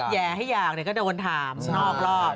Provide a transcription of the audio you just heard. แห่ให้อยากก็โดนถามนอกรอบ